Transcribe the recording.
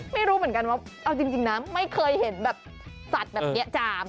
ไม่รู้เหมือนกันว่าเอาจริงนะไม่เคยเห็นแบบสัตว์แบบนี้จาม